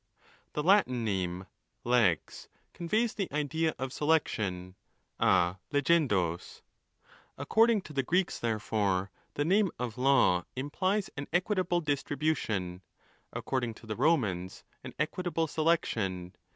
The Latin name, lex, conveys the idea of selection, a legendo. According to the Greeks, therefore, the name: of law implies an' equitable distribution: according to the Romans, an — equitable selection.